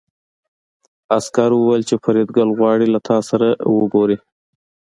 عسکر وویل چې فریدګل غواړي له تاسو سره وګوري